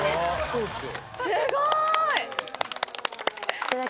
そうっすよ